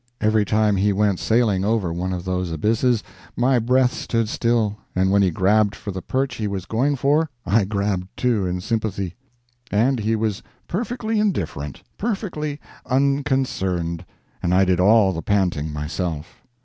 Every time he went sailing over one of those abysses my breath stood still, and when he grabbed for the perch he was going for, I grabbed too, in sympathy. And he was perfectly indifferent, perfectly unconcerned, and I did all the panting myself.